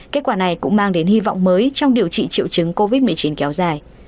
kết quả này cũng mang đến hy vọng mới trong điều trị triệu chứng covid một mươi chín kéo dài